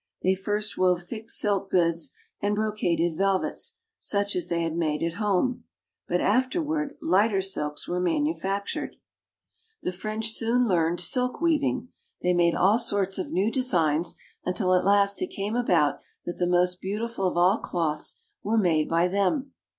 They first wove thick silk goods and brocaded velvets such as they had made at home, but afterward lighter silks were manufactured. CARP. EUROPE — 7 102 FRANCE. The French soon learned silk weaving. They made all sorts of new designs, until at last it came about that the most beautiful of all cloths were made by them.